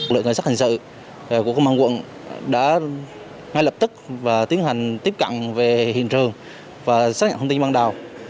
đội cảnh sát hình sự của công an quận đã ngay lập tức và tiến hành tiếp cận về hiện trường và xác nhận thông tin ban đầu